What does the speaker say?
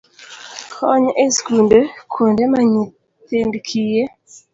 Kony e skunde, kuonde ma nyithind kiye